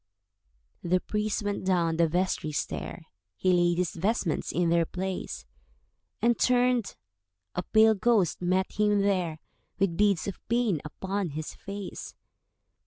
The priest went down the vestry stair, He laid his vestments in their place, And turned—a pale ghost met him there, With beads of pain upon his face.